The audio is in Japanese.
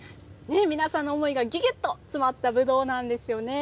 皆さんの思いがぎゅぎゅっと詰まったぶどうなんですよね。